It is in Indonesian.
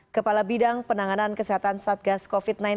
kepala bidang penanganan kesehatan satgas covid sembilan belas